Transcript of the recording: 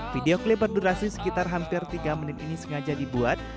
video klip berdurasi sekitar hampir tiga menit ini sengaja dibuat